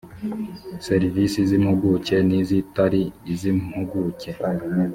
serivisi z impuguke n izitari iz impuguke